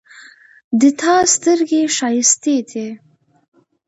د تا سترګې ښایستې دي